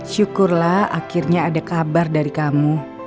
syukurlah akhirnya ada kabar dari kamu